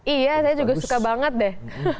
iya saya juga suka banget deh